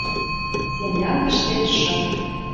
Землянкыште шып.